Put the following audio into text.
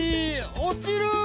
落ちる！